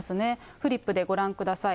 フリップでご覧ください。